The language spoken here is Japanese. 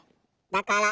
「だから」